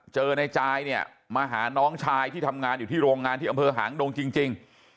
เจอในจายเนี่ยมาหาน้องชายที่ทำงานอยู่ที่โรงงานที่อำเภอหางดงจริง